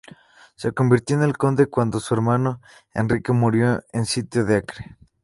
Se convirtió en conde cuando su hermano Enrique murió en el Sitio de Acre.